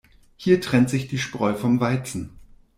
Hier trennt sich die Spreu vom Weizen.